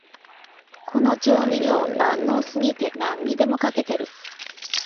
この調味料、万能すぎて何にでもかけてる